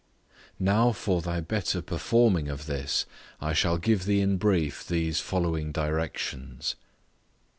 Now for thy better performing of this, I shall give thee in brief these following directions.